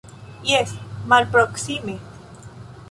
Jes, malproksime!